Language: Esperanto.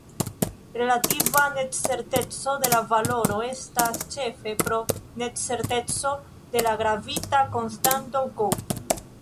Relativa necerteco de la valoro estas ĉefe pro necerteco de la gravita konstanto "G".